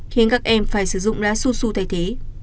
thế nên các em phải sử dụng lá su su thay thế